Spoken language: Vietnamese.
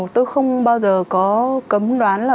tôi không bao giờ có cấm đoán là